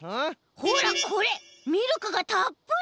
ほらこれミルクがたっぷり！